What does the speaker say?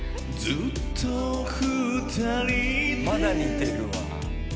ずっとふたりでまだ似てるわ。